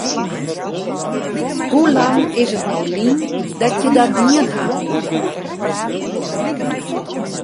Hoe lang is it no lyn dat je dat dien ha?